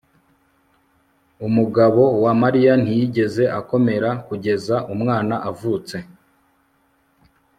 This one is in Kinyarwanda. umugabo wa mariya ntiyigeze akomera kugeza umwana avutse